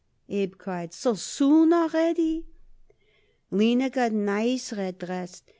Abe cried. "So soon already!" "Lina got nice red dress.